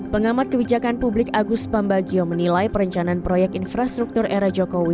pengamat kebijakan publik agus pambagio menilai perencanaan proyek infrastruktur era jokowi